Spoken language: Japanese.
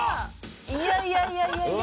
いやいやいやいやいやいや。